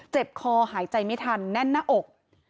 คอหายใจไม่ทันแน่นหน้าอก